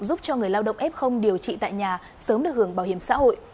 giúp cho người lao động f điều trị tại nhà sớm được hưởng bảo hiểm xã hội